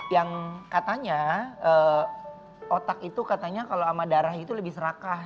yang katanya otak itu katanya kalau sama darah itu lebih serakah